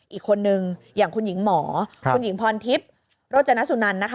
อีกคนนึงอย่างคุณหญิงหมอคุณหญิงพรทิพย์โรจนสุนันนะคะ